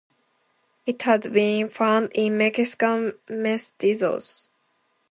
It has been found in Mexican mestizos.